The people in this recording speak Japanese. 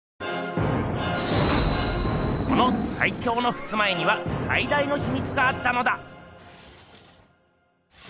このさい強のふすま絵にはさい大のひみつがあったのだ！